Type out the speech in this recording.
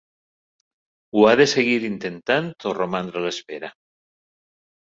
Ho ha de seguir intentat o romandre a l'espera.